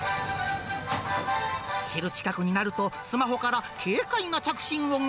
昼近くになると、スマホから軽快な着信音が。